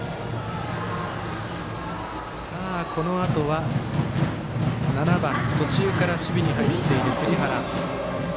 このあとは、７番途中から守備に入っている栗原。